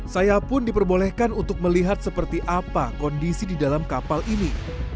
saya pun diperbolehkan untuk melihat seperti apa kondisi di dalam kapal ini